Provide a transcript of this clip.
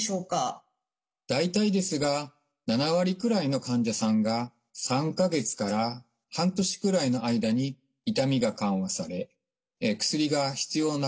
大体ですが７割くらいの患者さんが３か月から半年くらいの間に痛みが緩和され薬が必要なくなる状態になります。